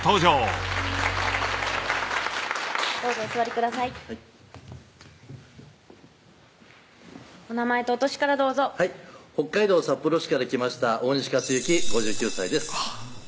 はいお名前とお歳からどうぞはい北海道札幌市から来ました大西克幸５９歳です